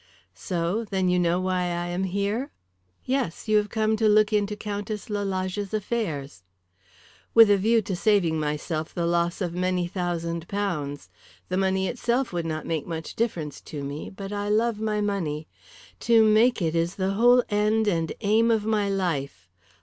"So? Then you know why I am here?" "Yes. You have come to look into Countess Lalage's affairs." "With a view to saving myself the loss of many thousand pounds. The money itself would not make much difference to me, but I love my money. To make it is the whole end and aim of my life.